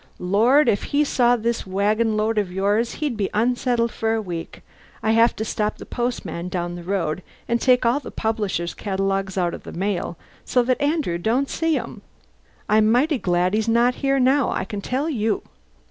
Lord, if he saw this wagonload of yours he'd be unsettled for a week. I have to stop the postman down the road and take all the publishers' catalogues out of the mail so that Andrew don't see 'em. I'm mighty glad he's not here just now, I can tell you!"